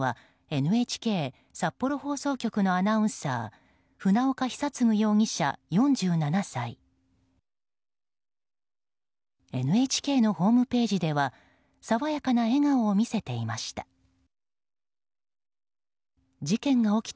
ＮＨＫのホームページでは爽やかな笑顔を見せていました。